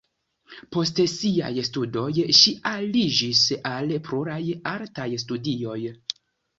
Post siaj studoj ŝi aliĝis al pluraj artaj studioj.